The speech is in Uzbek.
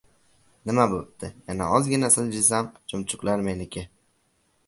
Nima bo‘pti, yana ozgina siljisam, chumchuqlar meniki!